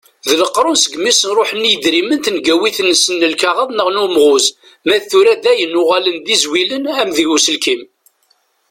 D leqrun segmi i sen-truḥ i yedrimen tengawit-nsen n lkaɣeḍ neɣ n umɣuz. Ma d tura dayen uɣalen d izwilen am deg uselkim.